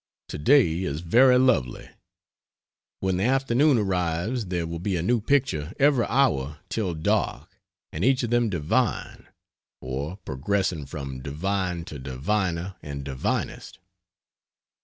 To day is very lovely; when the afternoon arrives there will be a new picture every hour till dark, and each of them divine or progressing from divine to diviner and divinest.